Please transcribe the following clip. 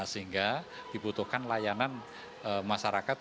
sehingga dibutuhkan layanan masyarakat